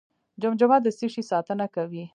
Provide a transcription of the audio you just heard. جمجمه د څه شي ساتنه کوي؟